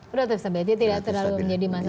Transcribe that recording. relatif stabil jadi tidak terlalu menjadi masalah ya